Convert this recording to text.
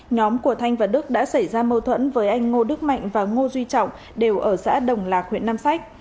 nhóm của thanh và đức đã xảy ra mâu thuẫn với anh ngô đức mạnh và ngô duy trọng đều ở xã đồng lạc huyện nam sách